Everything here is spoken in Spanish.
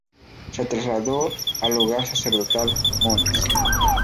Se trasladó al hogar sacerdotal “Mons.